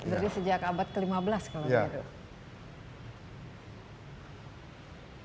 jadi sejak abad ke lima belas kalau tidak